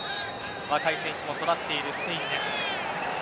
若い選手もそろっているスペインです。